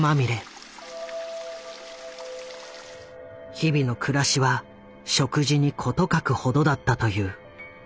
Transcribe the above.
日々の暮らしは食事に事欠くほどだったという。